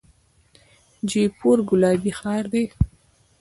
جیپور ګلابي ښار دی.